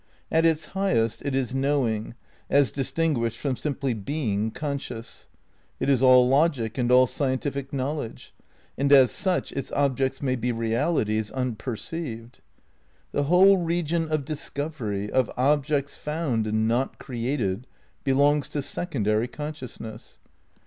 At its highest it is knowing, as distinguished from simply being conscious. It is all logic and all scientific knowledge ; and as such its objects may be realities un perceived. The whole region of discovery, of objects found and not created, belongs to secondary conscious ness.